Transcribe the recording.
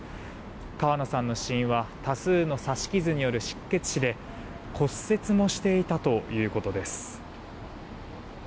川野さんの死因は多数の刺し傷による出血死で骨折もしていたということです。